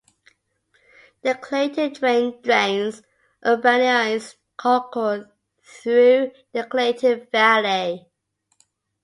The Clayton Drain drains urbanized Concord through the Clayton Valley.